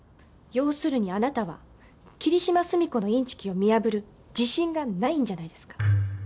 要するにあなたは霧島澄子のインチキを見破る自信がないんじゃないですか？